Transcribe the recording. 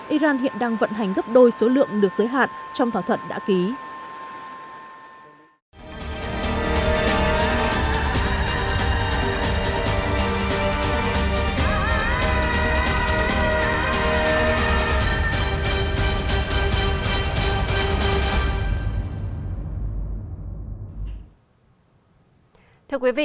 iran hiện đang vận hành gấp đôi số lượng được giới hạn trong thỏa thuận đã ký